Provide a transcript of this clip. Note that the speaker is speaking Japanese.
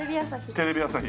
テレビ朝日。